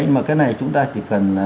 mà cái này chúng ta chỉ cần